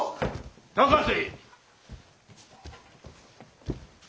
高瀬。